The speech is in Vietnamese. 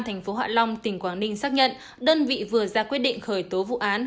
tp hạ long tỉnh quảng ninh xác nhận đơn vị vừa ra quyết định khởi tố vụ án